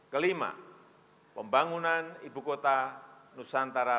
kelima pembangunan ibu kota nusantara